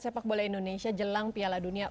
sepak bola indonesia jelang piala dunia